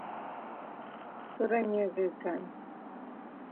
turay ñeqe kan